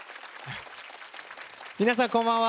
皆さんこんばんは。